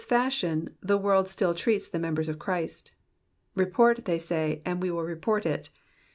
fashion the world still treats the members of Christ. *' Report,'^ say they, '' ana we will report it."